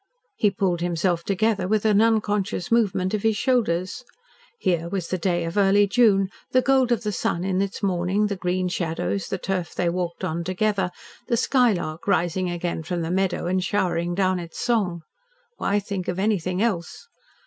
He pulled himself together with an unconscious movement of his shoulders. Here was the day of early June, the gold of the sun in its morning, the green shadows, the turf they walked on together, the skylark rising again from the meadow and showering down its song. Why think of anything else.